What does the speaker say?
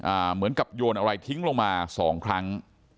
เหมือนกับโยนอะไรทิ้งลงมาสองครั้ง